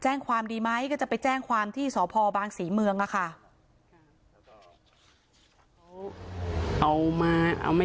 เอาไม่ใช่ไม้เป็นเหล็กตีกอล์ฟมาฟาดเลยค่ะ